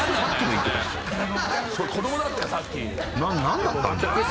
何だったんだよ？